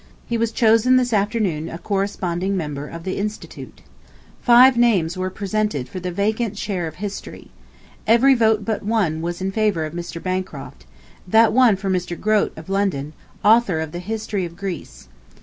He was chosen this afternoon a Corresponding Member of the Institute. Five names were presented for the vacant chair of History. Every vote but one was in favor of Mr. Bancroft (that one for Mr. Grote of London, author of the 'History of Greece').